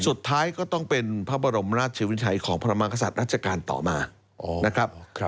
สุดท้ายก็ต้องเป็นพระบรมราชวิชัยของพระมากษัตริย์ราชการต่อมานะครับ